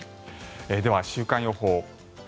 では、週間予報。